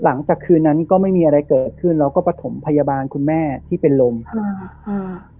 หลังจากคืนนั้นก็ไม่มีอะไรเกิดขึ้นแล้วก็ประถมพยาบาลคุณแม่ที่เป็นลมค่ะอ่า